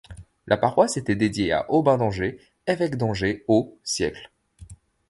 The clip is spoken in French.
La paroisse était dédiée à Aubin d'Angers, évêque d'Angers au siècle.